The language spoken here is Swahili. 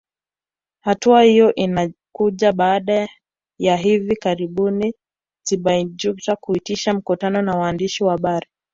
Hatua hiyo inakuja baada ya hivi karibuni Tibaijuka kuitisha mkutano na waandishi wa habari